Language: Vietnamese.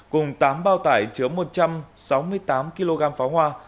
cùng tám bao tải chứa một trăm sáu mươi tám kg pháo hoa